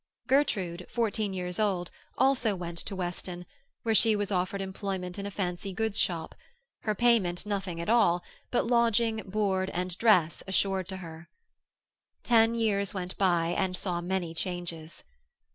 Gertrude, fourteen years old, also went to Weston, where she was offered employment in a fancy goods shop—her payment nothing at all, but lodging, board, and dress assured to her. Ten years went by, and saw many changes.